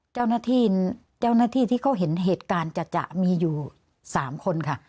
เจ้าหน้าที่ที่เขาเห็นเหตุการณ์จะมีอยู่๓คนค่ะ